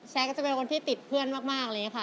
ก็จะเป็นคนที่ติดเพื่อนมากอะไรอย่างนี้ค่ะ